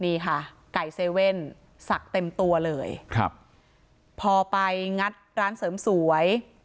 นี่ค่ะไก่เซเว่นสักเต็มตัวเลยครับพอไปงัดร้านเสริมสวย